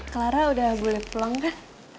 clara udah boleh pulang kan